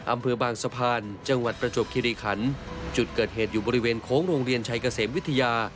อำเภอบางสะพานจังหวัดประจวบคิริขันจุดเกิดเหตุอยู่บริเวณโค้งโรงเรียนชัยเกษมวิทยา